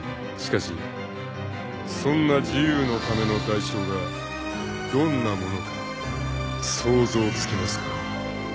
［しかしそんな自由のための代償がどんなものか想像つきますか？］